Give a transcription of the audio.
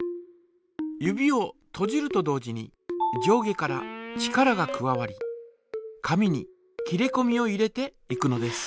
指をとじると同時に上下から力が加わり紙に切りこみを入れていくのです。